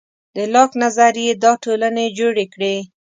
د لاک نظریې دا ټولنې جوړې کړې.